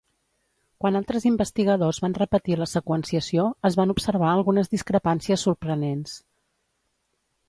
Quan altres investigadors van repetir la seqüenciació, es van observar algunes discrepàncies sorprenents.